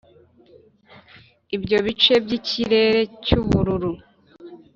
ibyo bice by'ikirere cy'ubururu.